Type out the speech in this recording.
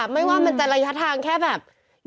ไม่ว่ามันจะระยะทางแค่แบบ